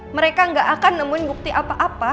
mereka nggak akan nemuin bukti apa apa